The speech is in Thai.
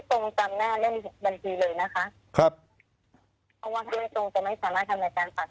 ตรงตามแน่แล้วมีหุดบัญชีเลยนะคะครับเพราะว่าจะไม่สามารถ